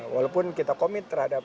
walaupun kita komit terhadap